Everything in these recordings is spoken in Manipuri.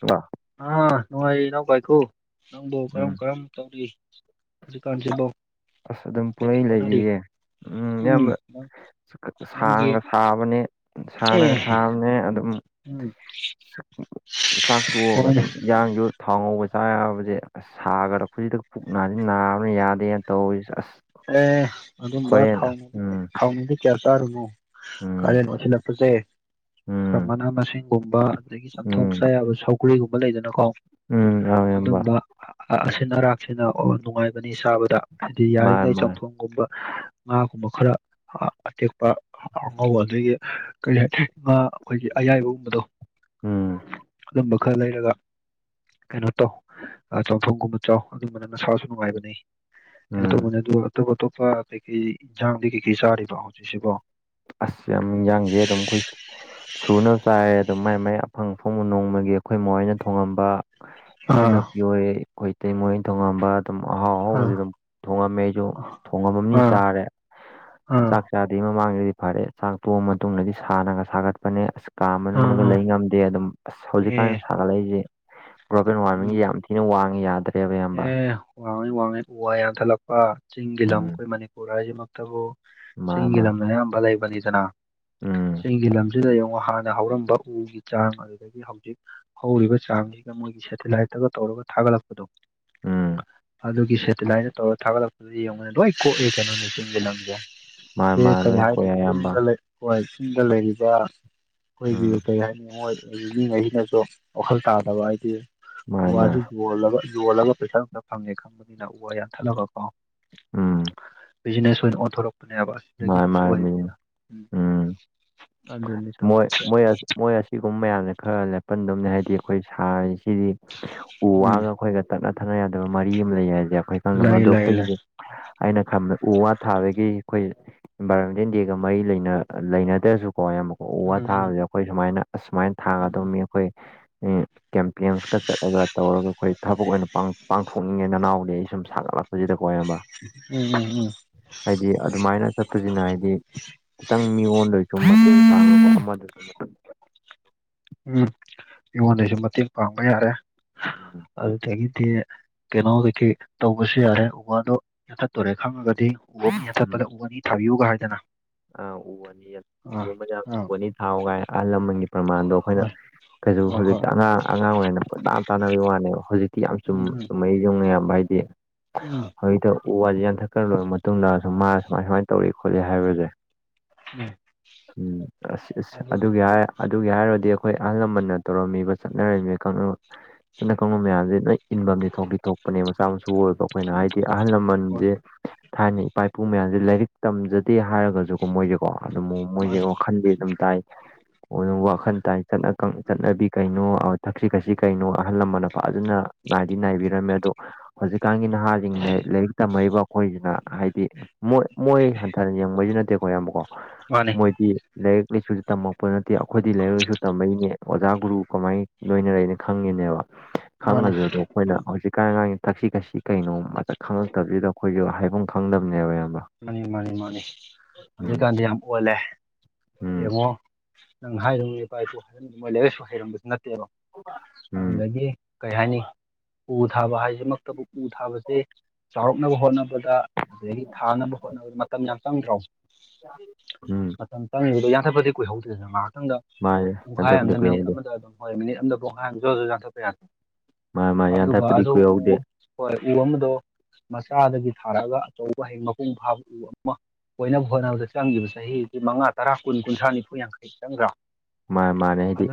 ꯇꯨꯋꯥ ꯑꯥ ꯅꯨꯡꯉꯥꯏꯔꯤꯔꫭ ꯋꯥꯏꯈꯨ ꯅꯪꯕꯨ ꯀꯔꯝ ꯎꯝ ꯀꯔꯝ ꯇꯧꯔꯤ ꯍꯧꯖꯤꯛ ꯀꯥꯟꯁꯤꯕꯣ ꯑꯁ ꯑꯗꯨꯝ ꯄꯨꯡꯂꯩ ꯂꯩꯔꯤꯌꯦ ꯎꯝ ꯅꯪꯒꯤ ꯁꯥꯡꯅ ꯁꯥꯕꯅꯦ ꯁꯥꯅꯥꯒ ꯑꯦ ꯁꯥꯕꯅꯦ ꯑꯗꯨꯝ ꯎꯝ ꯆꯥꯛ ꯇꫭꯛꯑꯒ ꯍꯣꯏꯅꯦ ꯑꯗꯨꯝ ꯍꯟꯖꯥꯡꯖꯨ ꯊꯥꯎ ꯉꯧꯕ ꯆꯥꯕꯖꯦ ꯑꯁ ꯁꯥꯒꯠꯗꯂꯛꯄꯖꯤꯗ ꯄꯨꯛ ꯅꯁꯤ ꯅꯥꯕꯅ ꯌꯥꯗꯦ ꯇꯧꯋꯤꯁꯦ ꯑꯁ ꯑꯦ ꯑꯗꯨꯝꯕ ꯍꯣꯔꯦꯟ ꯊꯥꯎꯅꯨꯡ ꯎꯝ ꯊꯥꯎꯅꯨꯡꯗꯤ ꯀꯌꯥ ꯆꯥꯔꯨꯅꯨ ꯎꯝ ꯀꯥꯂꯦꯟ ꯑꯣꯏꯁꯤꯜ ꯂꯛꯄꯁꯦ ꯈꯔ ꯎꯝ ꯃꯅꯥ ꯃꯁꯤꯡꯒꯨꯝꯕ ꯑꯗꯒꯤ ꯆꯝꯊꯣꯡ ꯆꯥ ꯎꯝ ꯌꯥꯕ ꯁꯧꯒ꯭ꯔꯤꯒꯨꯝꯕ ꯂꯩꯗꯅꯀꯣ ꯎꯝ ꯑꯥꯎ ꯏꯌꯥꯝꯕ ꯑꯗꯨꯝꯕ ꯑꯁꯤꯟ ꯑꯔꯥꯛꯁꯤꯅ ꯅꯨꯡꯉꯥꯏꯕꯅꯤ ꯆꯥꯕꯗ ꯍꯥꯏꯗꯤ ꯌꯥꯏ ꯃꯥꯅꯦ ꯃꯥꯅꯦ ꯒꯨꯝꯕ ꯉꯥꯒꯨꯝꯕ ꯈꯔ ꯑꯇꯦꯛꯄ ꯉꯧꯕ ꯑꯗꯒꯤ ꯀꯔꯤ ꯍꯥꯏ ꯉꯥ ꯑꯩꯈꯣꯏꯒꯤ ꯑꯌꯥꯏꯕꯒꯨꯝꯕꯗꯣ ꯎꯝ ꯑꯗꯨꯝꯕ ꯈꯔ ꯂꯩꯔꯒ ꯀꯩꯅꯣ ꯇꯧ ꯆꯝꯊꯣꯡꯒꯨꯝꯕ ꯆꯥꯎ ꯑꯗꯨꯝꯕꯅ ꯅꯁꯥꯁꯨ ꯅꯨꯡꯉꯥꯏꯕꯅꯤ ꯀꯩꯅꯣ ꯎꯝ ꯇꯧꯕꯅꯦ ꯑꯗꯨ ꯑꯇꯣꯞ ꯑꯇꯣꯞꯄ ꯀꯩꯀꯩ ꯖꯥꯝꯗꯤ ꯀꯩ ꯀꯩ ꯆꯥꯔꯤꯕꫭ ꯍꯧꯖꯤꯛꯁꯤꯕꯣ ꯑꯁ ꯌꯥꯝ ꯏꯟꯖꯥꯡꯁꯦ ꯑꯗꯨꯝ ꯑꯩꯈꯣꯏ ꯁꯨꯅꯕ ꯆꯥꯏꯌꯦ ꯑꯗꯨꯝ ꯃꯥꯏ ꯃꯥꯏ ꯑꯐꯪ ꯑꯐꯪꯕ ꯅꯣꯡꯃꯒꯤ ꯑꯩꯈꯣꯏ ꯃꯥ ꯍꫭꯏꯅ ꯊꯣꯡꯉꯝꯕ ꯑꯥ ꯏꯆꯟꯅꯨꯄꯤ ꯍꫭꯏ ꯑꯩꯈꯣꯏ ꯏꯇꯩꯃ ꯍꫭꯏ ꯊꯣꯡꯉꯝꯕ ꯑꯗꯨꯝ ꯑꯍꯥꯎ ꯑꯥ ꯑꯍꯥꯎꯕꯖꯦ ꯑꯗꯨꯝ ꯊꯣꯡꯉꯝꯃꯦ ꯑꯩꯁꯨ ꯊꯣꯡꯉꯝꯃꯝꯅꯤꯅ ꯑꯥ ꯆꯥꯔꯦ ꯑꯥ ꯆꯥꯛ ꯆꯥꯗꯔꯤ ꯃꯃꯥꯡꯗꯗꯤ ꯐꯔꯦ ꯆꯥꯛ ꯇꯣꯛꯑꯕ ꯃꯇꯨꯡꯗꯗꯤ ꯁꯥꯟꯅꯒ ꯁꯥꯒꯠꯄꯅꯦ ꯑꯁ ꯀꯥ ꯑꯥ ꯃꯅꯨꯡꯗꯒ ꯑꯥ ꯂꯩ ꯉꯝꯗꯦ ꯑꯗꯨꯝ ꯑꯁ ꯍꯧꯖꯤꯛꯀꯥꯟ ꯑꯦ ꯁꯥꯒꯠꯂꯛꯏꯁꯦ ꯒ꯭ꯂꯣꯕꯦꯜ ꯋꯥꯔꯃꯤꯡꯁꯦ ꯎꯝ ꯌꯥꯝ ꯊꯤ ꯊꯤꯅ ꯋꯥꯡꯉꯦ ꯌꯥꯗ꯭ꯔꯦ ꯑꯦ ꯋꯥꯡꯉꯤ ꯋꯥꯡꯉꯤ ꯎ ꯋꯥ ꯌꯥꯟꯊꯠꯂꯛꯄ ꯆꯤꯡꯒꯤ ꯂꯝ ꯎꯝ ꯑꯩꯈꯣꯏ ꯃꯅꯤꯄꯨꯔ ꯍꯥꯏꯁꯤꯃꯛꯇꯕꯨ ꯃꯥ ꯆꯤꯡꯒꯤ ꯃꯥ ꯂꯝ ꯑꯌꯥꯝꯕꯥ ꯂꯩꯕꯅꯤꯗꯅ ꯎꯝ ꯆꯤꯡꯒꯤ ꯂꯝ ꯑꯁꯤꯗ ꯌꯦꯡꯉꯣ ꯍꯥꯟꯅ ꯍꯧꯔꯝꯕ ꯎꯒꯤ ꯆꯥꯡ ꯑꯗꯨꯗꯒꯤ ꯍꯧꯖꯤꯛ ꯍꯧꯔꯤꯕ ꯆꯥꯡꯁꯤꯒ ꯃꯣꯏꯒꯤ ꯁꯦꯇꯤꯂꯥꯏꯠꯇꯒ ꯇꯧꯔꯒ ꯊꯥꯒꯠꯂꯛꯄꯗꯣ ꯎꯝ ꯑꯗꯨꯒꯤ ꯁꯦꯇꯦꯂꯥꯏꯠꯅ ꯇꯧꯔꯒ ꯊꯥꯒꯠꯂꯛꯄꯗ ꯌꯦꯡꯉꯨꯅꯤ ꯂꯣꯏ ꯀꯣꯛꯏ ꯀꯩꯅꯣꯅꯦ ꯆꯤꯡꯒꯤ ꯂꯝꯁꯦ ꯃꯥ ꯁꯤ ꯃꯥ ꯀꯩ ꯂꯣꯏ ꯍꯥꯏꯅꯤ ꯀꯣꯛꯑꯦ ꯑꯌꯥꯝꯕ ꯆꯤꯡꯗ ꯂꯩ ꯑꯩꯈꯣꯏ ꯆꯤꯡꯗ ꯂꯩꯔꯤꯕ ꯎꯝ ꯑꯩꯈꯣꯏꯒꯤ ꯀꯔꯤ ꯍꯥꯏꯅꯤ ꯃꯣꯏ ꯂꯩꯔꯤ ꯃꯤꯒꯩꯖꯤꯅꯁꯨ ꯋꯥꯈꯜ ꯇꯥꯗꯕ ꯍꯥꯏꯗꯤ ꯃꯥꯅꯦ ꯎꯋꯥꯖꯤ ꯃꯥꯅꯦ ꯌꯣꯜꯂꯒ ꯌꯣꯜꯂꯒ ꯄꯩꯁꯥ ꯐꯖ ꯐꯪꯉꯦ ꯈꯪꯕꯅꯤꯅ ꯎ ꯋꯥ ꯌꯥꯟꯊꯠꯂꯒ ꯀꯣ ꯎꯝ ꯕꯤꯖꯤꯅꯦꯁ ꯑꯣꯏꯅ ꯑꯣꯟꯊꯣꯔꯛꯄꯅꯦꯕ ꯑꯁ ꯃꯥꯥꯏ ꯃꯥꯥꯏ ꯃꯤ ꯎꯝ ꯑꯗꯨꯅꯤ ꯃꯣꯏ ꯇꯧꯔꯤꯁꯦ ꯃꯣꯏ ꯃꯣꯏ ꯁꯤꯒꯨꯝꯕ ꯃꯌꯥꯝꯖꯦ ꯈꯔ ꯂꯦꯞꯄꯟꯗꯕꯅꯦ ꯍꯥꯏꯗꯤ ꯑꯩꯈꯣꯏ ꯁꯥꯔꯤꯁꯤꯗꯤ ꯎ ꯎꯝ ꯋꯥꯒ ꯑꯩꯈꯣꯏꯒ ꯇꯠꯅ ꯊꯥꯅ ꯌꯥꯗꯕ ꯃꯔꯤ ꯑꯃ ꯂꯩ ꯍꯥꯏꯁꯦ ꯑꯩꯈꯣꯏ ꯈꯪꯅ ꯂꯩ ꯃꯗꯨ ꯂꯩ ꯂꯩ ꯑꯩꯈꯣꯏꯒꯤ ꯑꯩꯅ ꯈꯟꯕꯗ ꯎ ꯋꯥ ꯊꯥꯕꯒꯤ ꯑꯩꯈꯣꯏ ꯏꯟꯚꯥꯏꯔꯣꯟꯃꯦꯟ ꯗꯦꯒ ꯃꯔꯤ ꯂꯩꯅ ꯂꯩꯅꯗ꯭ꯔꯁꯨꯀꯣ ꯌꯥꯝ ꯎ ꯋꯥ ꯎꯝ ꯊꯥꯕꯖꯦ ꯎꯝ ꯑꯩꯈꯣꯏ ꯁꯨꯃꯥꯏꯅ ꯑꯁꯨꯃꯥꯏꯅ ꯎꯝ ꯊꯥꯒꯗꯝꯃꯤ ꯑꯩꯈꯣꯏ ꯀꯦꯝꯄꯦꯟꯁꯀ ꯆꯠꯂꯒ ꯇꯧꯔꯒ ꯑꯩꯈꯣꯏ ꯊꯕꯛ ꯑꯣꯏꯅ ꯄꯥꯡ ꯄꯥꯡꯊꯣꯛꯅꯤꯡꯉꯦ ꯅꯅꯥꯎꯗꯤ ꯑꯩ ꯁꯨꯝ ꯁꯥꯒꯠꯂꯛꯄꯁꯤꯗꯀꯣ ꯏꯌꯥꯝꯕ ꯎꯝ ꯎꯝ ꯎꯝ ꯍꯥꯏꯗꯤ ꯑꯗꯨꯃꯥꯏꯅ ꯆꯠꯄꯁꯤꯅ ꯍꯥꯏꯗꯤ ꯈꯤꯇꯪ ꯃꯤꯉꯣꯟꯗ ꯑꫭꯏꯁꯨ ꯃꯇꯦꯡ ꯄꯥꯡꯅꯕ ꯑꯃꯗꯁꯨ ꯎꯝ ꯃꯤꯉꯣꯟꯗꯩꯁꯨ ꯃꯇꯦꯡ ꯄꯥꯡꯕ ꯌꯥꯔꯦ ꯎꯝ ꯑꯗꯨꯗꯒꯤꯗꯤ ꯀꯩꯅꯣ ꯀꯩ ꯀꯩ ꯇꯧꯕꯁꯨ ꯌꯥꯔꯦ ꯎ ꯋꯥꯗꯣ ꯌꯥꯟꯊꯠꯇꯣꯔꯦ ꯈꯪꯉꯒꯗꯤ ꯎ ꯑꯃ ꯌꯥꯟꯊꯠꯄꯗ ꯎ ꯑꯅꯤ ꯊꯥꯕꯤꯌꯨꯒ ꯍꯥꯏꯗꯅ ꯑ ꯎ ꯑꯅꯤ ꯑꯥ ꯎ ꯃꯗ ꯑꯥ ꯎ ꯋꯥꯅꯤ ꯊꯥꯎꯒꯥꯏ ꯑꯍꯜ ꯂꯃꯟꯒꯤ ꯄ꯭ꯔꯃꯥꯟꯗꯣ ꯑꯩꯈꯣꯏꯅ ꯍꯣꯏ ꯀꯩꯁꯨ ꯍꯣꯏ ꯍꯣꯏ ꯍꯧꯖꯤꯛꯇꯤ ꯑꯉꯥꯡ ꯑꯉꯥꯡ ꯑꯣꯏꯅ ꯄꯨꯅꯥ ꯇꯥꯟꯅꯕꯒꯤ ꯋꯥꯅꯦꯕ ꯍꯧꯖꯤꯛꯇꯤ ꯊꯤ ꯌꯥꯝ ꯆꯨꯝ ꯎꯝ ꯎꯝ ꯆꯨꯝꯃꯛ ꯏꯁꯦ ꯆꯨꯝꯉꯩꯌꯥꯝꯕ ꯍꯥꯏꯗꯤ ꯎꯝ ꯍꯧꯖꯤꯛꯇ ꯎ ꯋꯥꯁꯤꯦ ꯌꯥꯟꯊꯠꯀ꯭ꯔ ꯂꯣꯏꯔ ꯃꯇꯨꯡꯗꯁꯨꯨꯝ ꯃꯥꯅ ꯁꯨꯃꯥꯏ ꯁꯨꯃꯥꯏꯅ ꯇꯧꯔ ꯈꯣꯠꯂ‌ꯦ ꯍꯥꯏꯕꯁꯦ ꯎꯝ ꯎꯝ ꯑꯁ ꯑꯁ ꯑꯗꯨ ꯑꯗꯨꯒꯤ ꯍꯥꯏꯔ ꯑꯗꯨꯒꯤ ꯍꯥꯏꯔꯗꯤ ꯑꯩꯈꯣꯏ ꯑꯍꯜ ꯂꯃꯟꯅ ꯇꯧꯔꯝꯃꯤꯕ ꯆꯠꯅꯔꯝꯃꯤ ꯀꯥꯡꯂꯨꯞ ꯆꯠꯅ ꯀꯥꯡꯂꯣꯟ ꯃꯌꯥꯝ ꯅꯣꯏ ꯏꯟꯐꯝꯗꯤ ꯊꯣꯛꯇꯤ ꯊꯣꯛꯄꯅꯦ ꯃꯆꯥ ꯃꯁꯨ ꯑꯣꯏꯕ ꯑꯩꯈꯣꯏꯅ ꯍꯥꯏꯗꯤ ꯑꯍꯜ ꯍꯣꯏ ꯂꯃꯟꯁꯦ ꯊꯥꯏꯅꯩ ꯏꯄꯥ ꯏꯄꯨ ꯃꯌꯥꯝꯁꯦ ꯂꯥꯏꯔꯤꯛ ꯇꯝꯖꯗꯦ ꯍꯥꯏꯔꯒꯁꯨꯀꯣ ꯃꯣꯏꯁꯨ ꯀ‌ꯣ ꯑꯗꯨꯝ ꯃꯣꯏꯁꯦ ꯋꯥꯈꯟꯗꯤ ꯑꯗꯨꯝ ꯇꯥꯏ ꯑꯣꯏꯅ [unintelligible] ꯋꯥꯈꯜ ꯇꯥꯏ ꯆꯠꯅꯕꯤ ꯀꯩꯅꯣ ꯊꯛꯁꯤ ꯈꯥꯁꯤ ꯀꯩꯅꯣ ꯑꯍꯜ ꯂꯃꯟꯅ ꯐꯖꯅ ꯅꯥꯏꯕꯤꯔꯝꯃꯦ ꯑꯗꯣ ꯍꯧꯖꯤꯛꯀꯥꯟꯒꯤ ꯅꯍꯥꯁꯤꯡꯅ ꯂꯥꯏꯔꯤꯛ ꯇꯝꯃꯏꯕ ꯑꯩꯈꯣꯏꯁꯤꯅ ꯍꯥꯏꯗꯤ ꯃꯣꯏ ꯃꯣꯏ ꯍꯟꯊꯅ ꯌꯦꯡꯕꯩꯁꯨ ꯅꯠꯇꯦꯀꯣ ꯑꯌꯥꯝꯕꯀꯣ ꯃꯥꯅꯤ ꯃꯣꯏꯗꯤ ꯂꯥꯏꯔꯤꯛ ꯂꯥꯏꯁꯨ ꯇꯝꯃꯛꯄ ꯅꯠꯇꯦ ꯑꯩꯈꯣꯏꯗꯤ ꯂꯥꯏꯔꯛ ꯂꯥꯏꯁꯨ ꯇꯝꯃꯛꯏꯅꯦ ꯑꯣꯖꯥ ꯒꯨꯔꯨ ꯀꯃꯥꯏꯅ ꯂꯣꯏꯅꯔꯅ ꯈꯪꯉꯤꯅꯦꯕ ꯃꯥꯅꯤ ꯃꯥꯅꯤ ꯈꯪꯉꯁꯨ ꯑꯗꯣ ꯑꯩꯈꯣꯏꯅ ꯍꯧꯖꯤꯛꯀꯥꯟ ꯀꯥꯟꯁꯤ ꯊꯛꯁꯤ ꯈꯛꯁꯤ ꯀꯩꯅꯣ ꯃꯁꯛ ꯈꯪꯉꯛꯇꯕꯁꯤꯗ ꯑꯩꯈꯣꯏꯁꯨ ꯍꯥꯏꯐꯝ ꯈꯪꯗꯕꯅꯦꯕ ꯏꯌꯥꯝꯕ ꯃꯥꯅꯤ ꯃꯥꯅꯤ ꯃꯥꯅꯤ ꯎꯝ ꯑꯗꯨꯛꯀꯥꯟꯗꯤ ꯌꯥꯝ ꯑꯣꯜꯂꯦ ꯎꯝ ꯌꯦꯡꯉꯣ ꯅꯪ ꯍꯥꯏꯔꯨ ꯏꯄꯥ ꯏꯄꯨ ꯍꯥꯏꯔꯝꯗ ꯃꯣꯏ ꯂꯥꯏꯛꯥꯏꯁꯨ ꯍꯩꯔꯝꯕꯁꯨ ꯅꯠꯇꯦꯕ [inaudible] ꯑꯗꯨꯗꯒꯤ ꯀꯩ ꯍꯥꯏꯅꯤ ꯎ ꯊꯥꯕ ꯍꯥꯏꯁꯤꯃꯛꯇꯕꯨ ꯎ ꯊꯥꯕꯁꯦ ꯆꯥꯎꯔꯛꯅꯕ ꯍꯣꯠꯅꯕꯗ ꯊꯥꯅꯕ ꯍꯣꯠꯅꯕꯗ ꯃꯇꯝ ꯌꯥꯝ ꯆꯪꯗ꯭ꯔꯣ ꯎꯝ ꯃꯇꯝ ꯆꯪꯉꯕꯗꯣ ꯌꯥꯟꯊꯠꯄꯗꯤ ꯀꯨꯏꯍꯧꯗꯦꯗꯅ ꯉꯥꯏꯍꯥꯛꯇꯪꯗ ꯃꯥꯅꯦ ꯄꯨꯡꯈꯥꯏ ꯑ ꯍꯟꯊꯕꯗꯤ ꯑꯃꯗ ꯃꯤꯅꯤꯠ ꯀꯨꯏꯍꯧꯗꯦ ꯑꯃꯗ ꯑꯗꯨꯝ ꯍꯣꯏ ꯃꯤꯅꯤꯠ ꯑꯃꯗ ꯄꯨꯡꯈꯥꯏ ꯑꯃ ꯆ ꯑꯣꯏꯁꯨ ꯌꯥꯟꯊꯠꯄ ꯌꯥꯗꯦ ꯃꯥ ꯃꯥ ꯑꯗꯨꯒ ꯌꯥꯟꯊꯠꯄꯗꯤ ꯑꯗꯨ ꯀꯨꯏꯍꯧꯗꯦ ꯎ ꯍꯣꯏ ꯎ ꯑꯃꯗꯣ ꯃꯆꯥꯗꯒꯤ ꯊꯥꯔꯛꯑꯒ ꯑꯆꯧꯕ ꯍꯩ ꯃꯄꯨꯡ ꯐꯥꯕ ꯎ ꯑꯃ ꯑꯣꯏꯅꯕ ꯍꯣꯠꯅꯕꯗ ꯆꯪꯈꯤꯕ ꯆꯍꯤꯁꯤ ꯃꯉꯥ ꯇꯔꯥ ꯀꯨꯟ ꯀꯨꯟꯊ꯭ꯔꯥ ꯅꯤꯐꯨ ꯌꯥꯡꯈꯩ ꯆꯪꯗ꯭ꯔ ꯃꯥꯅꯦ ꯃꯥꯅꯦ ꯍꯥꯏꯗꯤ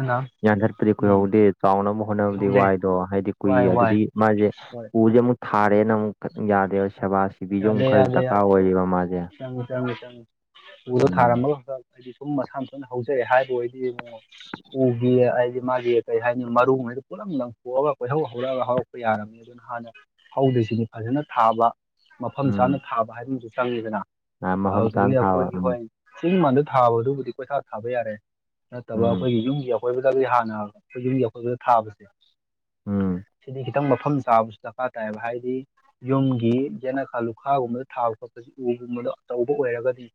ꯌꯥꯟꯊꯠꯄꯗꯤ ꯎꯝ ꯀꯨꯏꯍꯧꯗꯦ ꯆꯥꯎꯅꯕ ꯍꯣꯠꯅꯕꯗꯤ ꯀꯨꯏꯍꯧꯗꯦ ꯋꯥꯏꯗꯣ ꯍꯥꯏꯗꯤ ꯀꯨꯏ ꯋꯥꯏ ꯋꯥꯏ ꯑꯗꯨꯗꯤ ꯃꯥꯁꯦ ꯍꯣꯏ ꯎꯁꯦ ꯑꯃꯨꯛ ꯊꯥꯔꯦꯅ ꯑꯃꯨꯛ ꯌꯥꯗꯦꯕ ꯁꯦꯕꯥ ꯁꯤꯕꯤꯁꯨ ꯑꯃꯨꯛ ꯈꯔ ꯗꯔꯀꯥꯔ ꯑꯣꯏꯔꯤꯕ ꯃꯥꯖꯦ ꯆꯪꯉ ꯆꯪꯉ ꯆꯪꯉꯤ ꯎꯗꯣ ꯊꯥꯔꯝꯃꯒ ꯈꯛꯇ ꯑꯩꯗꯤ ꯁꯨꯝ ꯃꯁꯥ ꯃꯊꯟꯅ ꯍꯧꯖꯔꯦ ꯍꯥꯏꯕ ꯑꯣꯏꯗꯤ ꯃꯑꯣꯛ ꯎꯒꯤ ꯍꯥꯏꯗꯤ ꯃꯥꯒꯤ ꯀꯩ ꯍꯥꯏꯅꯤ ꯃꯔꯨꯉꯩꯗ ꯄꯨꯂꯞ ꯂꯪꯊꯣꯛꯑꯒ ꯀꯣꯏꯍꯧ ꯍꯧꯔꯒ ꯍꯧꯔꯛꯄ ꯌꯥꯔꯝꯃꯤ ꯑꯗꯨꯅ ꯍꯥꯟꯅ ꯍꯧꯗ꯭ꯁꯤꯅꯤ ꯐꯖꯅ ꯊꯥꯕ ꯃꯐꯝ ꯆꯥꯅ ꯎꯝ ꯊꯥꯕ ꯍꯥꯏꯕ ꯑꯃꯁꯁꯨ ꯆꯪꯉꯤꯗꯅ ꯃꯐꯝ ꯆꯥꯅ ꯑꯗꯨꯗꯒꯤ ꯊꯥꯕ ꯑꯩꯈꯣꯏꯒꯤ ꯎꯝ ꯍꯣꯏ ꯁꯤꯒꯤ ꯃꯥꯟꯗ ꯊꯥꯕꯗꯨꯕꯨꯗꯤ ꯀꯣꯏꯊꯥꯛ ꯊꯥꯕ ꯌꯥꯔꯦ ꯅꯠꯇꯕ ꯎꯝ ꯑꯩꯈꯣꯏꯒꯤ ꯌꯨꯝꯒꯤ ꯑꯀꯣꯏꯕꯗꯒꯤ ꯍꯥꯟꯅ ꯑꯩꯈꯣꯏ ꯌꯨꯝꯒꯤ ꯑꯀꯣꯏꯕꯗ ꯊꯥꯕꯁꯦ ꯎꯝ ꯁꯤꯗꯤ ꯈꯤꯇ ꯈꯤꯇꯪ ꯃꯐꯝ ꯆꯥꯕꯁꯨ ꯗꯔꯀꯥꯔ ꯇꯥꯏꯌꯦꯕ ꯍꯥꯏꯗꯤ ꯌꯨꯝꯒꯤ ꯌꯦꯟꯅꯈꯥ ꯂꯨꯈꯥꯒꯨꯝꯕꯗ ꯊꯥꯕ ꯈꯣꯠꯄꯁꯤ ꯎꯒꯨꯝꯕꯗꯣ ꯑꯆꯧꯕ ꯑꯣꯏꯔꯒꯗꯤ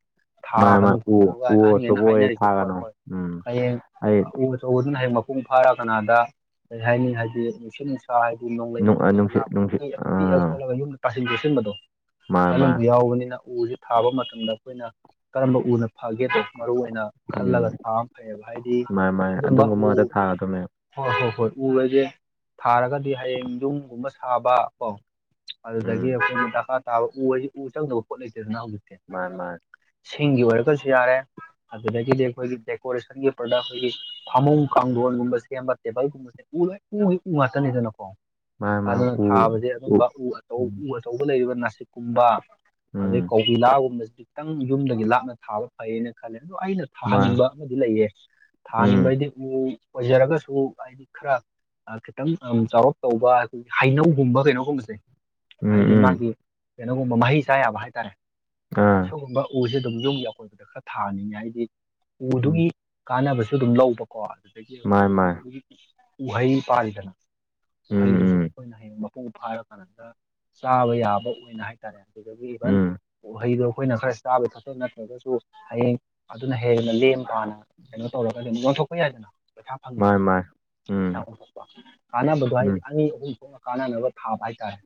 ꯃꯥ ꯃꯥ ꯊꯥꯒꯅꯨ ꯎ ꯈꯣꯠꯅꯨꯒ ꯎ ꯑꯍꯟꯅ ꯑꯆꯧꯕ ꯑꯣꯏꯔꯗꯤ ꯍꯥꯏꯅꯔꯤꯁꯦ ꯍꯣꯏ ꯊꯥꯒꯅꯨ ꯍꯣꯏ ꯎꯝ ꯍꯌꯦꯡ ꯑꯩ ꯇꯧꯕꯗꯨꯅ ꯍꯦꯛ ꯃꯄꯨꯡ ꯐꯥꯔ ꯀꯅꯥꯗ ꯀꯩ ꯍꯥꯏꯅꯤ ꯍꯥꯏꯗꯤꯁꯤ ꯀ ꯍꯥꯏꯗꯤ ꯅꯣꯡꯂꯩ ꯅꯨꯡꯆꯨꯒꯨꯝꯕ ꯅꯨꯡꯁꯤꯠ ꯅꯨꯡꯁꯤꯠ ꯂꯥꯛꯄ ꯑꯛ ꯑꯥ ꯈꯣꯠꯂꯒ ꯌꯨꯝꯗ ꯇꯥꯁꯤꯟ ꯇꯦꯁꯤꯟꯕꯗꯣ ꯃꯥ ꯑꯣ ꯃꯥ ꯌꯥꯎꯕꯅꯤꯅ ꯎꯁꯤ ꯊꯥꯕ ꯃꯇꯝꯗ ꯑꯩꯈꯣꯏꯅ ꯀꯔꯝꯕ ꯎꯅ ꯐꯒꯦꯗꯣ ꯃꯔꯨꯑꯣꯏꯅ ꯈꯜꯂꯒ ꯎꯝ ꯊꯥꯕꯅ ꯐꯩꯌꯦꯕ ꯍꯥꯏꯗꯤ ꯃꯥ ꯃꯥ ꯑꯗꯨꯝꯕ ꯎ ꯑꯗꯨꯒꯨꯝꯕ ꯉꯥꯛꯇ ꯊꯥꯒꯗꯕꯅꯦ ꯍꯣꯏ ꯍꯣꯏ ꯍꯣꯏ ꯎꯔꯒꯦ ꯊꯥꯔꯒꯗꯤ ꯍꯌꯦꯡ ꯌꯨꯝꯒꯨꯝꯕ ꯁꯥꯕ ꯀꯣ ꯑꯗꯨꯗꯒꯤ ꯎꯝ ꯑꯩꯈꯣꯏꯅ ꯗꯀꯥ ꯇꯥꯕ ꯎ ꯍꯥꯏꯁꯤ ꯎ ꯆꯪꯗꯕ ꯄꯣꯠ ꯂꯩꯇꯦꯗꯅ ꯍꯧꯖꯤꯛꯁꯦ ꯃꯥꯟ ꯃꯥꯟ ꯁꯤꯡꯒꯤ ꯑꯣꯏꯔꯒꯁꯨ ꯌꯥꯔꯦ ꯑꯗꯨꯗꯒꯤꯗꯤ ꯑꯩꯈꯣꯏꯒꯤ ꯗꯦꯀꯣꯔꯦꯁꯟꯒꯤ ꯄ꯭ꯔꯗꯛ ꯑꯩꯈꯣꯏꯒꯤ ꯐꯃꯨꯡ ꯀꯥꯡꯊꯣꯟꯒꯨꯝꯕ ꯁꯦꯝꯕ ꯇꯦꯕꯜꯒꯨꯝꯕ ꯎ ꯂꯣꯏ ꯎꯁꯤ ꯎ ꯉꯥꯛꯇꯅꯤꯗꯅꯀꯣ ꯃꯥ ꯃꯥ ꯑꯗꯨꯅ ꯎ ꯊꯥꯕꯁꯦ ꯑꯗꯨꯝꯕ ꯎ ꯑꯆꯧ ꯑꯆꯧꯕ ꯂꯩꯔꯤꯕ ꯅꯥꯁꯤꯛꯀꯨꯝꯕ ꯑꯗꯩ ꯎꯝ ꯀꯀꯤꯂꯥꯒꯨꯝꯕꯁꯤ ꯈꯤꯇꯪ ꯌꯨꯝꯗꯒꯤ ꯂꯥꯞꯅ ꯊꯥꯕ ꯐꯩꯌꯦꯅ ꯈꯜꯂꯦ ꯑꯗꯣ ꯑꯩꯅ ꯃꯥ ꯊꯥꯍꯟꯅꯤꯡꯕ ꯑꯃꯗꯤ ꯂꯩꯌꯦ ꯊꯥꯍꯟꯅꯤꯡꯕ ꯎꯝ ꯍꯥꯏꯗꯤ ꯎ ꯑꯣꯏꯖꯔꯒꯁꯨ ꯍꯥꯏꯗꯤ ꯈꯔ ꯈꯤꯇꯪ ꯆꯥꯎꯔꯞ ꯇꯧꯕ ꯑꯩꯈꯣꯏꯒꯤ ꯍꯩꯅꯧꯒꯨꯝꯕ ꯀꯩꯅꯣꯒꯨꯝꯕꯁꯦ ꯎꯝ ꯍꯥꯏꯗꯤ ꯎꯝ ꯃꯥꯒꯤ ꯀꯩꯅꯣꯒꯨꯝꯕ ꯃꯍꯩ ꯆꯥ ꯌꯥꯕ ꯍꯥꯏꯇꯥꯔꯦ ꯑꯥ ꯑꯗꯨꯒꯨꯝꯕ ꯎꯁꯦ ꯑꯗꯨꯝ ꯌꯨꯝꯒꯤ ꯑꯀꯣꯏꯕꯗ ꯈꯔ ꯊꯥꯍꯅꯤꯡꯉꯦ ꯍꯥꯏꯗꯤ ꯎꯝ ꯎꯗꯨꯒꯤ ꯀꯥꯟꯅꯕꯁꯨ ꯑꯗꯨꯝ ꯂꯧꯕ ꯀꯣ ꯑꯗꯨꯗꯒꯤ ꯃꯥꯏ ꯑꯩꯈꯣꯏꯒꯤ ꯃꯥꯏ ꯎꯕꯒꯤ ꯎꯍꯩ ꯄꯥꯔꯤꯗꯅ ꯎꯝ ꯎꯍꯩꯗꯨꯁꯨ ꯎꯝ ꯑꯩꯈꯣꯏꯅ ꯍꯌꯦꯡ ꯃꯄꯨꯡ ꯐꯥꯔ ꯀꯥꯟꯗ ꯆꯥꯕ ꯌꯥꯕ ꯑꯣꯏꯅ ꯍꯥꯏ ꯍꯥꯏꯇꯥꯔꯦ ꯑꯗꯨꯗꯒꯤ ꯏꯚꯟ ꯎꯝ ꯎꯍꯩꯗꯣ ꯑꯩꯈꯣꯏꯅ ꯈꯔ ꯆꯥꯕ ꯊꯛꯄꯕ ꯅꯠꯇ꯭ꯔꯒꯁꯨ ꯍꯌꯦꯡ ꯑꯗꯨꯅ ꯍꯦꯟꯅ ꯂꯦꯝ ꯄꯥꯅ ꯀꯩꯅꯣ ꯇꯧꯔꯒ ꯑꯗꯨꯝ ꯑꯣꯟꯊꯣꯛꯄ ꯌꯥꯏꯗꯅ ꯄꯩꯁꯥ ꯃꯥꯏ ꯐꯪꯉꯤꯗ ꯃꯥꯏ ꯄꯩꯁꯥ ꯎꯝ ꯑꯣꯟꯊꯣꯛꯄ ꯀꯥꯟꯅꯕꯗꯣ ꯍꯥꯏꯗꯤ ꯎꯝ ꯑꯅꯤ ꯑꯍꯨꯝ ꯊꯣꯛ ꯀꯥꯟꯅꯅꯕ ꯊꯥꯕ ꯍꯥꯏꯇꯥꯔꯦ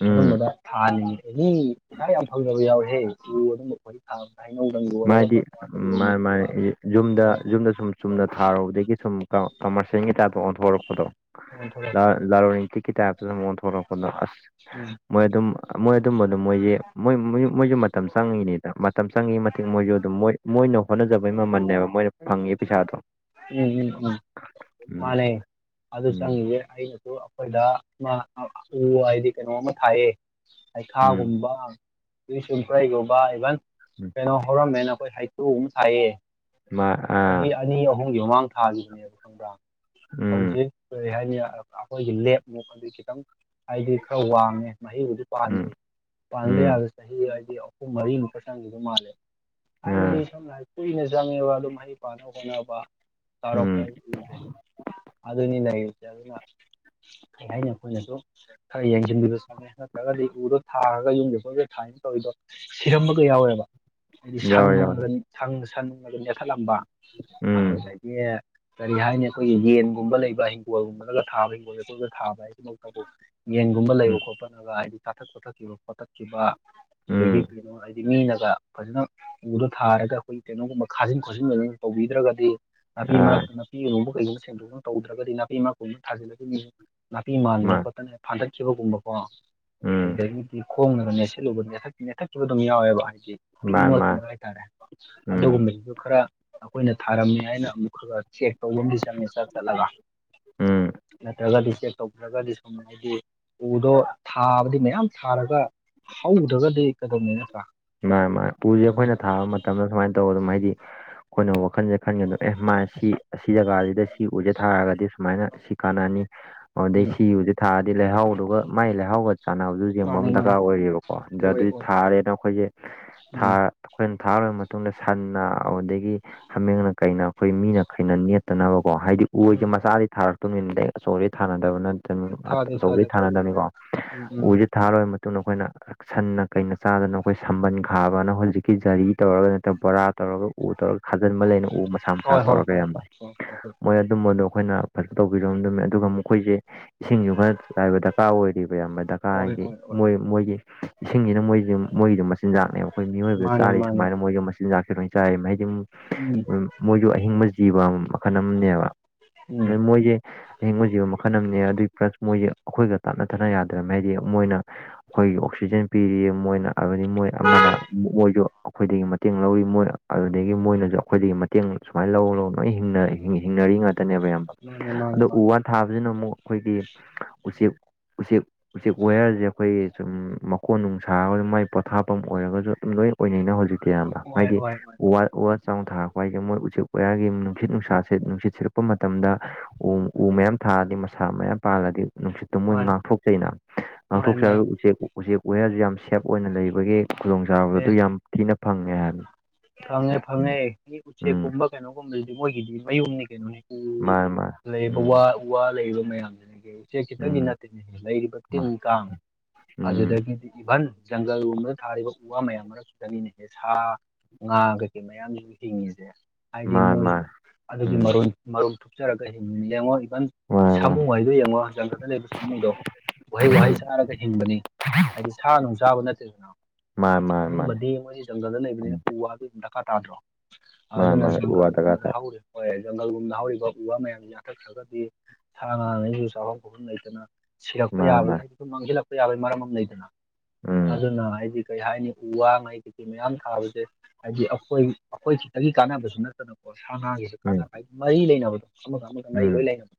ꯎꯝ ꯑꯗꯨꯝꯕꯗ ꯊꯥꯅꯤ ꯑꯦꯅꯤ ꯄꯩꯁꯥ ꯌꯥꯝ ꯐꯪꯗꯕ ꯌꯥꯎꯋꯦꯍꯦ ꯎꯨ ꯑꯗꯨꯝꯕ ꯈꯣꯣꯏ ꯊꯥꯕ ꯂꯅꯧꯗꯪ ꯑꯣꯂꯒ ꯄ ꯎꯝ ꯃꯥꯅꯦ ꯃꯥꯅꯦ ꯌꯨꯝꯗ ꯌꯨꯝꯗ ꯁꯨꯝ ꯆꯨꯝꯅ ꯍꯣꯏ ꯊꯥꯔꯨꯕꯗꯒꯤ ꯁꯨꯝ ꯀꯃꯔꯁꯦꯜꯒꯤ ꯇꯥꯏꯞꯇ ꯎ ꯑꯣꯟꯊꯣꯔꯛꯑꯣ ꯂ ꯂꯥꯔꯅꯤꯇ ꯇ ꯃꯣꯟ ꯊꯔ ꯀꯗ ꯎꯝ ꯃꯣꯏ ꯑꯗꯨꯝ ꯃꯣꯏ ꯑꯗꯨꯝꯕ ꯑꯗꯨꯝ ꯃꯣꯏꯁꯦ ꯃꯣꯏ ꯃꯣꯏꯁꯦ ꯃꯇꯝ ꯆꯪꯉꯤꯅꯤꯗ ꯃꯇꯝ ꯆꯪꯉꯤ ꯃꯣꯏꯁꯨ ꯑꯗꯨꯝ ꯃꯣꯏ ꯃꯣꯏꯅ ꯍꯣꯠꯅꯖꯕꯩ ꯃꯃꯜꯅꯦꯕ ꯃꯣꯏꯅ ꯐꯪꯉꯤ ꯄꯩꯁꯥꯗꯣ ꯎ ꯎꯝ ꯎꯝ ꯃꯥꯅꯦ ꯑꯗꯨ ꯑꯗꯨ ꯎꯝ ꯆꯉꯦ ꯑꯩꯅꯁꯨ ꯑꯩꯈꯣꯏꯗ ꯎ ꯍꯥꯏꯗꯤ ꯀꯩꯅꯣꯝ ꯑꯃ ꯊꯥꯏꯑꯦ ꯎꯝ ꯍꯩꯈꯥꯒꯨꯝꯕ ꯁꯨꯝꯄ꯭ꯔꯩꯒꯨꯝꯕ ꯏꯚꯟ ꯎꯝ ꯀꯩꯅꯣ ꯍꯧꯔꯝꯃꯦꯅ ꯑꯩꯈꯣꯏ ꯍꯩꯇꯨꯒꯨꯝ ꯊꯥꯏꯑꯌꯦ ꯃꯥ ꯑꯥ ꯑꯅꯤ ꯑꯍꯨꯝꯒꯤ ꯃꯃꯥꯡ ꯊꯥꯈꯤꯕꯅꯦꯕ ꯈꯪꯕ꯭ꯔꯥ ꯎꯝ ꯍꯧꯖꯤꯛ ꯀꯩ ꯍꯥꯏꯅꯤ ꯑꯩꯈꯣꯏꯒꯤ ꯂꯦꯞ ꯃꯨꯛꯄ ꯑꯗꯨ ꯈꯤꯇꯪ ꯍꯥꯏꯗꯤ ꯈꯔ ꯋꯥꯡꯉꯦ ꯃꯍꯤꯕꯨꯗꯤ ꯎꯝ ꯄꯥꯟꯗ꯭ꯔꯦ ꯄꯥꯟꯗ ꯎꯝ ꯌꯥꯗ ꯆꯍꯤ ꯍꯥꯏꯗꯤ ꯑꯍꯨꯝ ꯃꯔꯤꯃꯨꯛꯄꯥ ꯆꯪꯗꯗ ꯃꯥꯜꯂꯦ ꯑꯥ ꯍꯥꯏꯕꯗꯤ ꯁꯝꯅ ꯍꯥꯏ ꯀꯨꯏꯅ ꯆꯪꯉꯦꯕ ꯑꯗꯨꯝ ꯃꯍꯩ ꯄꯥꯅ ꯈꯣꯠꯅꯕ ꯇꯧꯔꯛꯄ ꯎꯝ ꯍꯥꯏ ꯎꯝꯦ ꯑꯗꯨꯅꯤ ꯂꯩꯔꯤꯁꯦ ꯑꯗꯨꯅ ꯀꯔꯤ ꯍꯥꯏꯅꯤ ꯑꯩꯈꯣꯏꯅꯁꯨ ꯈꯔ ꯌꯦꯡꯁꯤꯟꯕꯤꯕ ꯆꯥꯟꯅꯩ ꯅꯠꯇ꯭ꯔꯒꯗꯤ ꯎꯗꯣ ꯊꯥꯔꯒ ꯌꯨꯝꯒꯤ ꯐꯐꯝꯁ ꯊꯥꯏꯅ ꯇꯧꯔꯤꯗꯣ ꯁꯤꯔꯝꯃꯒ ꯌꯥꯎꯋꯦꯕ ꯍꯥꯏꯗꯤ ꯌꯥꯎꯋꯦ ꯌꯥꯎꯋꯦ ꯁꯟꯅꯨꯡꯉꯒ ꯁꯪ ꯁꯟ ꯅꯨꯡꯉꯒ ꯅꯦꯊꯜꯂꯝꯑꯕ ꯎꯝ ꯑꯗꯨꯗꯒꯤ ꯇꯔꯤ ꯍꯥꯏ ꯑꯩꯈꯣꯏꯒꯤ ꯌꯦꯟꯒꯨꯝꯕ ꯂꯩꯕ ꯍꯤꯡꯒꯣꯜꯒꯨꯝꯕꯂꯒ ꯊꯥꯕ ꯍꯤꯡꯒꯣꯜ ꯑꯇꯣꯒ ꯊꯥꯕ ꯍꯥꯏꯃꯛꯇꯕꯨ ꯌꯦꯟꯒꯨꯝꯕ ꯂꯩꯕ ꯎꯝ ꯈꯣꯠꯄꯅꯒ ꯍꯥꯏꯗꯤ ꯆꯥꯊꯛ ꯈꯣꯠꯊꯛꯈꯤꯕ ꯈꯣꯠꯇꯛꯈꯤꯕ ꯑꯗꯒꯤ ꯎꯝ ꯀꯩꯅꯣ ꯃꯤꯅꯒ ꯐꯖꯅ ꯎꯗ ꯊꯥꯔꯒ ꯑꯩꯈꯣꯏꯒꯤ ꯀꯩꯅꯣꯒꯨꯝꯕ ꯈꯥꯖꯤꯟ ꯈꯣꯠꯆꯤꯟꯟ ꯇꯧꯕꯤꯗ꯭ꯔꯒꯗꯤ ꯅꯥꯄꯤ ꯑꯥ ꯃꯛꯇ ꯄꯤ ꯑꯣꯡꯕ ꯀꯩꯒꯨꯝꯕ ꯁꯦꯡꯗꯣꯛꯅ ꯇꯧꯗ꯭ꯔꯒꯗꯤ ꯅꯥꯄꯤ ꯏꯃꯄ ꯑꯃ ꯊꯥꯖꯤꯜꯂꯒ ꯃꯤꯌꯦꯡ ꯅꯥꯄꯤ ꯃꯥꯟꯗꯅ ꯃꯥ ꯈꯣꯠꯇꯅ ꯐꯟꯗꯠꯈꯤꯕꯒꯨꯝꯕꯀꯣ ꯎꯝ ꯑꯗꯨꯗꯒꯤꯗꯤ ꯈꯣꯡꯅꯕꯅꯦꯁꯦ ꯠꯂꯨꯕꯊꯊꯠꯈꯤꯕ ꯑꯗꯨꯝ ꯌꯥꯎꯋꯦꯕ ꯍꯥꯏꯗꯤ ꯄꯤꯛꯏꯕ ꯃꯥ ꯃꯥ ꯃꯇꯝꯗ ꯍꯥꯏꯇꯥꯔꯦ ꯎꯝ ꯑꯗꯨꯒꯨꯝꯕꯁꯤꯁꯨ ꯈꯔ ꯑꯩꯈꯣꯏꯅ ꯊꯥꯔꯝꯃꯦ ꯍꯥꯏꯅ ꯑꯃꯨꯛ ꯈ ꯈ ꯆꯦꯛ ꯇꯧꯕꯁꯨ ꯃꯤꯁ ꯆꯂꯒ ꯎꯝ ꯅꯠꯇ꯭ꯔꯖꯗꯤꯇꯦ ꯇꯧꯈ꯭ꯔꯒꯗꯤ ꯁꯨꯝ ꯍꯥꯏꯗꯤ ꯎꯗꯣ ꯊꯥꯕꯗꯤ ꯃꯌꯥꯝ ꯊꯥꯔꯒ ꯍꯧꯗ꯭ꯔꯒꯗꯤ ꯀꯩꯗꯧꯅꯤ ꯅꯠꯇ꯭ꯔꯥ ꯃꯥꯅꯦ ꯃꯥ ꯎꯁꯦ ꯑꯩꯈꯣꯏꯅ ꯑꯗꯨꯅ ꯊꯥꯕ ꯃꯇꯝꯗ ꯁꯨꯃꯥꯏꯅ ꯇꯧꯧꯕ ꯑꯗꯨꯝ ꯍꯥꯏꯗꯤ ꯑꯩꯈꯣꯏꯅ ꯋꯥꯈꯜꯁꯦ ꯈꯟꯒꯦꯗ ꯑꯦ ꯃꯥ ꯁꯤ ꯑꯁꯤ ꯖꯒꯥꯁꯤꯗ ꯁꯤ ꯎꯖꯦ ꯊꯥꯔꯒꯗꯤ ꯁꯨꯃꯥꯏꯅ ꯁꯤ ꯀꯥꯟꯅꯅꯤ ꯑꯗꯨꯗꯩ ꯎꯝ ꯁꯤꯕꯨꯁꯦ ꯊꯥꯛꯑꯗꯤ ꯂꯩꯍꯥꯎꯗꯨꯒ ꯃꯥꯏ ꯂꯩꯍꯥꯎꯒ ꯆꯥꯟꯅꯕ ꯑꯗꯨ ꯌꯦꯡꯕ ꯃꯥꯅꯦ ꯑꯃ ꯗꯔꯀꯥꯔ ꯃꯥꯅꯦ ꯑꯣꯏꯌꯦꯕꯀꯣ ꯑꯗꯨꯗ ꯑꯣꯏ ꯑꯗꯨꯗꯤ ꯑꯣꯏ ꯑꯣꯏ ꯊꯥꯔꯦꯅ ꯑꯩꯈꯣꯏꯁꯦꯥ ꯎꯝ ꯑꯩꯈꯣꯏꯅ ꯊꯥꯔꯕ ꯃꯇꯨꯡꯗ ꯁꯟꯅ ꯑꯗꯨꯗꯒꯤ ꯍꯥꯃꯦꯡꯅ ꯀꯩꯅ ꯑꯩꯈꯣꯏ ꯃꯤꯅ ꯈꯩꯅ ꯅꯦꯠꯇꯅꯕꯀꯣ ꯍꯥꯏꯗꯤ ꯎꯁꯦ ꯎꯝ ꯃꯆꯥꯗꯤ ꯊꯥꯔꯛꯇꯕꯅꯤꯅ ꯑꯩ ꯑꯆꯧꯕꯗꯩ ꯊꯥꯅꯗꯕꯅ ꯊꯥꯖꯦ ꯊꯥꯖꯦ ꯑꯆꯧꯕꯩ ꯑꯆꯧꯕ ꯁꯨꯃꯥꯏꯅ ꯊꯥꯅꯗꯕꯅꯤꯀꯣ ꯎꯝ ꯎꯝ ꯎꯁ ꯊꯥꯔꯣꯏꯔꯕ ꯃꯇꯨꯡꯗ ꯑꯩꯈꯣꯏꯅ ꯁꯟꯅ ꯀꯩꯅ ꯆꯥꯗꯅ ꯑꯩꯈꯣꯏ ꯁꯝꯕꯟ ꯈꯥꯕꯅ ꯍꯧꯖꯤꯛꯀꯤ ꯖꯔꯤ ꯇꯧꯔꯒ ꯅꯠꯇ꯭ꯔꯒ ꯕꯣꯔꯥ ꯇꯧꯔꯒ ꯎ ꯇꯧꯔꯒ ꯈꯥꯖꯤꯟꯕ ꯂꯩꯅ ꯎ ꯃꯁꯥ ꯃꯁꯥ ꯍꯣꯏ ꯍꯣꯏ ꯇꯧꯔꯒ ꯍꯣꯏ ꯌꯥꯝꯕ ꯍꯣꯏ ꯍꯣꯏ ꯃꯣꯏ ꯑꯗꯨꯝꯕꯗꯣ ꯑꯩꯈꯣꯏꯅ ꯐꯖꯅ ꯇꯧꯕꯤꯔꯣꯗꯨꯝꯃꯦ ꯑꯗꯨꯒ ꯃꯈꯣꯏꯁꯦ ꯏꯁꯤꯡꯁꯨ ꯈꯔꯥꯏꯕ ꯗꯔꯀꯥꯔ ꯑꯣꯏꯔꯤꯕ ꯌꯥꯝꯕꯀꯥ ꯀ ꯍꯣꯏ ꯍꯣꯏ ꯑꯣꯏ ꯍꯥꯏꯗꯤ ꯑꯣꯏ ꯑꯣꯏ ꯃꯣꯏ ꯃꯣꯏꯒꯤ ꯏꯁꯤꯡꯁꯤꯅ ꯃꯣꯏꯁꯤ ꯃꯣꯏꯒꯤꯗꯨ ꯃꯆꯤꯟꯖꯥꯛꯅꯦꯕ ꯑꯩꯈꯣꯏ ꯃꯤꯑꯣꯏꯕꯗ ꯃꯥꯅꯤ ꯆꯥꯔꯤ ꯃꯥꯅꯤ ꯁꯨꯃꯥꯏꯅ ꯃꯣꯏꯁꯨ ꯃꯆꯤꯟꯖꯥꯛꯁꯦ ꯂꯣꯏ ꯆꯥꯏꯔ ꯃꯍꯩꯗꯤ ꯎꯝ ꯃꯣꯏꯁꯨ ꯑꯍꯤꯡꯕ ꯖꯤꯕ ꯑꯃ ꯃꯈꯜ ꯑꯃꯅꯦꯕ ꯅꯣꯏ ꯎꯝ ꯃꯣꯏꯁꯦ ꯑꯍꯤꯡꯕꯖꯤꯕ ꯃꯈꯜ ꯑꯃꯅꯦ ꯑꯗꯨꯏ ꯄ꯭ꯂꯁ ꯃꯣꯏꯁꯦ ꯑꯩꯈꯣꯏꯒ ꯇꯥꯞꯅ ꯊꯥꯅ ꯌꯥꯗ꯭ꯔꯕꯅꯤ ꯍꯥꯏꯗꯤ ꯃꯣꯏꯅ ꯑꯩꯈꯣꯏꯒꯤ ꯑꯣꯛꯁꯤꯖꯦꯟ ꯄꯤꯔꯤꯌꯦ ꯃꯣꯏꯅ ꯍꯥꯏꯕꯗꯤ ꯃꯣꯏ ꯑꯃꯅ ꯃꯣꯏꯁꯨ ꯑꯩꯈꯣꯏꯗꯒꯤ ꯃꯇꯦꯡ ꯂꯧꯔꯤ ꯃꯣꯏ ꯑꯗꯨꯗꯒꯤ ꯃꯣꯏꯅꯁꯨ ꯑꯩꯈꯣꯏꯗꯒꯤ ꯦꯡ ꯁꯨꯃꯥꯏꯅ ꯂꯧ ꯂꯧ ꯂꯣꯏ ꯍꯤꯡꯅꯔꯤ ꯉꯥꯛꯇꯅꯦꯕ ꯑꯌꯥꯝꯕ ꯃꯥꯅꯤ ꯃꯥꯅꯤ ꯑꯗꯣ ꯎ ꯃꯥꯅꯤ ꯋꯥ ꯊꯥꯕꯁꯤꯅ ꯑꯃꯨꯛ ꯑꯩꯈꯣꯏꯒꯤ ꯎꯆꯦꯛ ꯎꯆꯦꯛ ꯎꯆꯦꯛ ꯋꯦꯌꯔꯁꯦ ꯑꯩꯈꯣꯏꯒꯤ ꯁꯨꯝ ꯃꯀꯣꯟ ꯅꯨꯡ ꯁꯥꯔꯒ ꯃꯥꯏ ꯄꯣꯊꯥꯞ ꯃꯐꯝ ꯑꯣꯏꯔꯒꯁꯨ ꯑꯗꯨ ꯂꯣꯏ ꯑꯣꯏꯅꯩꯅ ꯍꯧꯖꯤꯛꯇꯤ ꯑꯌꯥꯝꯕ ꯑꯣꯏ ꯑꯣꯏ ꯍꯥꯏꯗꯤ ꯑꯣꯏ ꯋꯥ ꯋꯥ ꯆ ꯊꯥꯔꯛꯄ ꯍꯥꯏꯏꯁꯦ ꯃꯣꯏ ꯎꯆꯦꯛ ꯀꯌꯥꯒꯤ ꯅꯨꯡꯁꯤꯠ ꯅꯨꯡꯁꯥꯥꯁꯦ ꯅꯨꯡꯁꯤꯠ ꯁꯤꯔꯛꯄ ꯃꯇꯝꯗ ꯎ ꯎ ꯃꯌꯥꯝ ꯊꯥꯔꯗꯤ ꯃꯁꯥ ꯃꯌꯥꯝ ꯄꯥꯜꯂꯗꯤ ꯅꯨꯡꯁꯤꯠꯇꯣ ꯃꯣꯏ ꯃꯥꯅꯤ ꯉꯥꯛꯊꯣꯛꯆꯩꯩꯅ ꯃꯥꯅꯤ ꯃꯥꯅꯤ ꯉꯥꯛꯊꯣꯛꯆꯔꯒ ꯎꯆꯦꯛ ꯎꯆꯦꯛ ꯎꯦꯔꯁꯨ ꯌꯥꯝ ꯁꯦꯞ ꯑꯣꯏꯅ ꯂꯩꯕꯒꯤ ꯈꯨꯗꯣꯡ ꯆꯥꯕ ꯑꯗꯨ ꯑꯦ ꯌꯥꯝ ꯊꯤꯅ ꯐꯪꯉꯦ ꯍꯥꯏꯕꯅ ꯐꯪꯉꯦ ꯐꯪꯉꯦ ꯃꯤ ꯎꯆꯦꯛꯀꯨꯝꯕ ꯀꯩꯅꯣꯒꯨꯝꯕꯗꯨꯗꯤ ꯃꯣꯏꯒꯤꯗꯤ ꯃꯌꯨꯝꯅꯤ ꯀꯩꯅꯣꯅꯤ ꯃꯥꯅꯦ ꯃꯥꯅꯦ ꯎ ꯎꯝ ꯋꯥ ꯂꯩꯔꯤꯕ ꯃꯌꯥꯝꯁꯤꯅ ꯀ ꯆ ꯎꯆꯦꯛ ꯈꯤꯇꯪꯒꯤ ꯎꯝ ꯅꯠꯇꯦꯅꯦ ꯂꯩꯔꯤꯕ ꯇꯤꯟ ꯀꯥꯡ ꯎꯝ ꯑꯗꯨꯗꯒꯤꯗꯤ ꯏꯚꯟ ꯖꯪꯒꯜꯒꯣꯝꯗ ꯊꯥꯔꯤꯕ ꯎ ꯋꯥ ꯃꯌꯥꯝ ꯃꯔꯛꯁꯤ ꯆꯪꯅꯤꯅꯦꯍꯦ ꯁꯥ ꯉꯥ ꯀꯩꯀꯩ ꯃꯌꯥꯝꯁꯨ ꯍꯤꯡꯉꯤꯁꯦ ꯍꯥꯏꯗꯤ ꯃꯥꯅꯦ ꯃꯣꯏꯁꯨ ꯃꯥꯅꯦ ꯑꯗꯨꯒꯤ ꯎꯝ ꯃꯔꯣꯟ ꯃꯔꯣꯟ ꯊꯣꯛꯨꯞꯆꯔꯒ ꯍ ꯂꯡꯉꯣ ꯏꯚꯟ ꯃꯥꯅꯦ ꯃꯥꯅꯦ ꯁꯥꯃꯨ ꯍꯥꯏꯗꯣ ꯌꯦꯡꯉꯣ ꯍꯛꯆꯥꯟꯖꯗ ꯂꯩꯕ ꯁꯥꯃꯨꯗꯣ ꯋꯥꯍꯩ ꯋꯥꯍꯩ ꯎꯝ ꯆꯥꯔꯒ ꯍꯤꯡꯕꯅꯤ ꯍꯥꯏꯗꯤ ꯁꯥ ꯅꯨꯡ ꯆꯥꯕ ꯅꯠꯇꯦꯗꯅ ꯃꯥꯅꯦ ꯃꯥꯅꯦ ꯃꯥꯅꯦ ꯑꯗꯨꯝꯕꯗꯤ ꯃꯣꯏꯗꯤ ꯖꯪꯒꯜꯗ ꯂꯩꯕꯅꯤꯅ ꯎꯝ ꯎ ꯋꯥꯕ ꯑꯗꯨꯝ ꯗꯔꯀꯥꯔ ꯇꯥꯗ꯭ꯔꯣ ꯃꯥꯅꯦ ꯑꯗꯨꯅ ꯃꯥꯅꯦ ꯎ ꯋꯥ ꯗꯔꯀꯥꯔ ꯖꯪꯒꯜꯒꯨꯝꯕꯗ ꯇꯥꯏ ꯍꯧꯋꯦ ꯍꯣꯏ ꯖꯪꯒꯜꯒꯨꯝꯕꯅ ꯍꯧꯔꯤꯕ ꯎ ꯋꯥ ꯃꯌꯥꯝꯁ ꯌꯥꯥꯊꯠꯈ꯭ꯔꯒꯗꯤ ꯁꯥ ꯉꯥꯉꯩꯁꯨ ꯆꯥꯎꯈꯠ ꯈꯍꯟ ꯂꯩꯇꯅ ꯁꯤꯔꯛꯄ ꯃꯥꯅꯦ ꯌꯥꯕꯒꯤ ꯃꯥꯅꯦ ꯍꯥꯏꯁꯨ ꯃꯥꯡꯁꯤꯜꯂꯛꯄ ꯌꯥꯕꯒꯤ ꯃꯔꯝ ꯑꯃ ꯂꯩꯗꯅ ꯎꯝ ꯑꯗꯨꯅ ꯍꯥꯏꯗꯤ ꯀꯩ ꯍꯥꯏꯅꯤ ꯀ ꯋꯥ ꯉ ꯍꯥꯏ ꯃꯌꯥꯝ ꯊꯥꯕꯁꯦ ꯍꯥꯏꯗꯤ ꯑꯩꯈꯣꯏ ꯑꯩꯈꯣꯏ ꯈꯤꯇꯒꯤ ꯀꯥꯟꯅꯕꯁꯨ ꯅꯠꯇꯅꯀꯣ ꯁꯥ ꯉꯒꯤ ꯀ ꯃꯔꯤ ꯂꯩꯅꯕꯗꯣ ꯑꯃꯒ ꯑꯃꯒ ꯎꯝ ꯃꯔꯤ ꯎꯝ ꯂꯣꯏ ꯂꯩꯅꯕ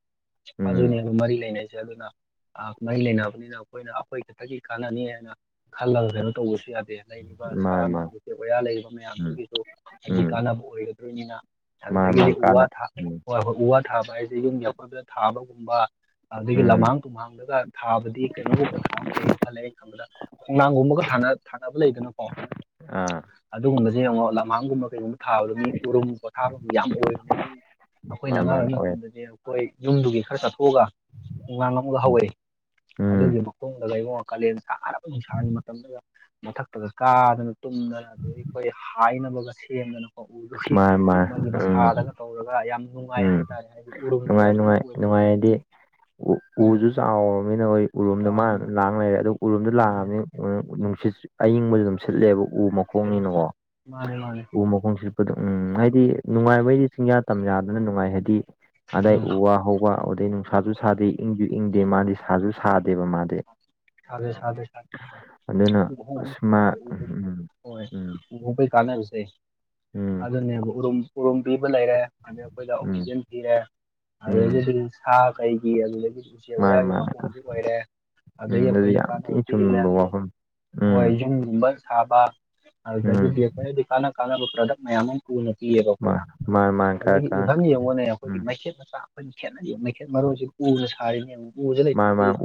ꯎꯝ ꯑꯗꯨꯅꯦꯕ ꯃꯔꯤ ꯂꯩꯅꯩꯁꯦ ꯑꯗꯨꯅ ꯃꯔꯤ ꯂꯩꯅꯕꯅꯤꯅ ꯑꯩꯈꯣꯏꯅ ꯑꯩꯈꯣꯏ ꯈꯛꯇꯒꯤ ꯀꯥꯟꯅꯅꯤ ꯍꯥꯏꯅ ꯈꯜꯂꯒ ꯀꯩꯅꯣ ꯇꯧꯕꯁꯨ ꯌꯥꯗꯦ ꯂꯩꯔꯤꯕ ꯁꯥ ꯃꯥꯅꯦ ꯉ ꯃꯥꯅꯦ ꯎꯆꯦꯛ ꯑꯣꯌꯥ ꯂꯩꯔꯤꯕ ꯎꯝ ꯃꯌꯥꯝꯗꯨꯒꯤꯁꯨ ꯍꯥꯏꯗꯤ ꯎꯝ ꯀꯥꯟꯅꯕ ꯑꯣꯏꯒꯗꯣꯏꯅꯤꯅ ꯃꯥꯅꯦ ꯑꯗꯨꯗꯒꯤꯗꯤ ꯃꯥꯅꯦ ꯎ ꯋꯥ ꯀꯥꯟꯅ ꯊꯥ ꯎꯝ ꯍꯣꯏ ꯍꯣꯏ ꯎ ꯋꯥ ꯊꯥꯕ ꯍꯥꯏꯁꯦ ꯌꯨꯝꯒꯤ ꯑꯀꯣꯏꯕꯗ ꯊꯥꯕꯒꯨꯝꯕ ꯑꯗꯨꯗꯒꯤ ꯎꯝ ꯂꯝꯍꯥꯡ ꯇꯨꯝꯍꯥꯡꯗꯒ ꯊꯥꯕꯗꯤ ꯀꯩꯅꯣꯒꯨꯝꯕ ꯊꯥ ꯑꯃ ꯐꯩꯌꯦ ꯈꯜꯂꯦꯩꯅ ꯈꯪꯕꯗ ꯑꯥ [unintelligible] [inaudible] ꯁꯤ ꯌꯦꯡꯉꯣ ꯂꯝꯍꯥꯡꯒꯨꯝꯕ ꯀꯩꯒꯨꯝꯕ ꯊꯥꯕꯗꯨ ꯃꯤ ꯎꯔꯨꯝ ꯄꯣꯊꯥꯕꯗꯨ ꯌꯥꯝ ꯑꯣꯏꯕꯅꯤ ꯑꯩꯈꯣꯏ ꯅ ꯃꯥꯅꯦ ꯑꯍꯥ ꯃꯥꯅꯦ ꯑꯣꯏꯔꯤ ꯑꯣꯏ ꯃꯇꯝꯗꯗꯤ ꯑꯩꯈꯣꯏ ꯌꯨꯝꯗꯨꯒꯤ ꯈꯔ ꯆꯊ ꯊꯣꯛꯑꯒ ꯈꯉꯥꯡ ꯑꯃꯒ ꯍꯧꯔꯛꯏ ꯎꯝ ꯑꯗꯨꯒꯤ ꯃꯈꯣꯡꯗ ꯂꯩꯉꯣ ꯀꯥꯂꯦꯟ ꯁꯥꯔꯕ ꯅꯨꯡꯁꯥꯒꯤ ꯃꯇꯝꯗꯒ ꯃꯊꯛꯇꯒ ꯀꯥꯗꯅ ꯇꯨꯝꯗꯅ ꯑꯗꯨ ꯑꯩꯈꯣꯏ ꯍꯥꯏꯅꯕꯒ ꯁꯦꯝꯗꯅ ꯎꯎꯗꯨꯒꯤ ꯃꯥꯅꯦ ꯃꯥꯅꯦ ꯃꯥꯒꯤ ꯎꯝ ꯃꯁꯥꯗꯒ ꯇꯧꯔꯒ ꯌꯥꯝ ꯅꯨꯡꯉꯥꯏ ꯎꯝ ꯍꯥꯏꯇꯥꯔꯦ ꯍꯥꯏꯗꯤ ꯎꯨꯕꯗꯣ ꯅꯨꯡꯉꯥꯏ ꯌꯥꯝ ꯊꯤꯟ ꯅꯨꯡꯉꯥꯏ ꯑꯣꯏꯕꯗꯣ ꯅꯨꯡꯉꯥꯏꯔꯗꯤ ꯎꯝ ꯎ ꯎꯝ ꯎꯁꯨꯨ ꯆꯥꯎꯔꯕꯅꯤꯅ ꯍꯣꯏ ꯎꯔꯣꯝꯗ ꯃꯥ ꯆꯥꯎꯔꯃꯤꯅ ꯂꯥꯛ ꯂꯩꯔꯦ ꯑꯗꯨꯗ ꯎꯔꯣꯝꯗ ꯃꯥꯅꯦ ꯂꯥꯡꯉꯕꯅꯤ ꯅꯨꯡꯁꯤꯠ ꯑꯌꯤꯡꯕꯁꯨ ꯑꯗꯨꯝ ꯁꯤꯠꯂꯦꯕ ꯎ ꯈꯣꯡꯉꯤꯅꯀꯣ ꯃꯥꯅꯦ ꯃꯥꯅꯦ ꯎ ꯃꯈꯣꯡ ꯁꯤꯠꯄꯗ ꯎꯝ ꯍꯥꯏꯗꯤ ꯅꯨꯡꯉꯥꯏꯕꯩꯗꯤ ꯆꯤꯡꯖꯥꯛ ꯇꯝꯖꯥꯗ ꯑꯗꯨꯅ ꯅꯨꯡꯉꯥꯏ ꯍꯥꯏꯗꯤ ꯑꯗꯥꯏ ꯎꯝ ꯎ ꯋꯥ ꯍꯧ ꯋꯥ ꯑꯗꯩ ꯅꯨꯡꯁꯥꯁꯨ ꯁꯥꯗꯦ ꯏꯪꯖꯨ ꯏꯪꯗꯦ ꯃꯥꯗꯤ ꯁꯥꯁꯨ ꯁꯥꯗꯦꯕ ꯃꯥꯗꯤ ꯁꯥꯗ‌ꯦ ꯁꯥꯗ‌ꯦ ꯑꯗꯨꯅ ꯑꯁ ꯃꯥ ꯎꯝ ꯎꯝ [inaudible] ꯎ ꯍꯧꯕꯩ ꯀꯥꯟꯅꯕꯁꯦ ꯎꯝ ꯑꯗꯨꯅꯦꯕ ꯎꯔꯨꯝ ꯎꯔꯨꯝ ꯄꯤꯕ ꯂꯩꯔꯦ ꯑꯗꯩ ꯑꯩꯈꯣꯏꯗ ꯎꯝ ꯑꯣꯛꯁꯤꯖꯦꯟ ꯄꯤꯔꯦ ꯎꯝ ꯑꯗꯒꯤꯖꯨ ꯁꯥ ꯀꯩꯒꯤ ꯑꯗꯨꯗꯒꯤꯗꯤ ꯎꯆꯦꯛ ꯃꯥꯅꯦ ꯋꯥꯌꯥꯒꯤ ꯃꯥꯅꯦ ꯃꯀꯣꯟꯁꯨ ꯑꯣꯏꯔꯦ ꯎꯝ ꯑꯗꯒꯤ ꯑꯗꯨꯗꯤ ꯑꯩꯈꯣꯏꯗ ꯌꯥꯝ ꯀꯥꯟꯅꯕ ꯊꯤꯅ ꯄꯤꯔꯤ ꯆꯨꯝꯕ ꯃꯌꯥꯝꯖ‌ꯦ ꯋꯥꯐꯝ ꯍꯣꯏ ꯎꯝ ꯌꯨꯝꯒꯨꯝꯕ ꯁꯥꯕ ꯎꯝ ꯑꯗꯨꯗꯒꯤꯗꯤ ꯑꯩꯈꯣꯏꯊꯗꯤ ꯀꯥꯟꯅ ꯀꯥꯟꯅꯕ ꯄ꯭ꯔꯗꯛ ꯃꯌꯥꯝ ꯑꯝ ꯎꯅ ꯄꯤꯌꯦꯕꯥ ꯃꯥ ꯑꯩꯈꯣꯏꯗ ꯃꯥ ꯃꯥ ꯀ ꯑꯗꯒꯤ ꯀ ꯏꯍꯟ ꯌꯦꯡꯉꯣꯅꯦ ꯑꯩꯈꯣꯏꯒꯤ ꯎꯝ ꯃꯥꯏꯈꯦꯠ ꯃꯆꯥ ꯑꯩꯈꯣꯏꯅ ꯈꯦꯠꯅꯔꯤꯕ ꯃꯩꯈꯦꯠ ꯃꯔꯨꯖ‌ꯦ ꯎꯅ ꯁꯥꯔꯤꯅꯦ ꯌ‌ꯦꯡꯎ ꯎꯁꯦ ꯃꯥ ꯃꯥ ꯂꯩꯇ꯭ꯔꯗꯤ ꯎ